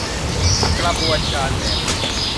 กระบวนการแบบ